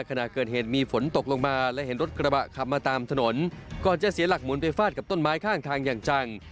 ขณะเกิดเหตุมีฝนตกลงมาและเห็นรถกระบะขับมาตามถนนก่อนจะเสียหลักหมุนไปฟาดกับต้นไม้ข้างทางอย่างจัง